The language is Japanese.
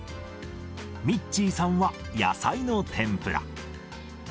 ミッツィーさんは野菜の天ぷら。